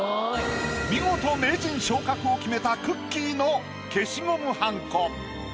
見事名人昇格を決めたくっきー！の消しゴムはんこ。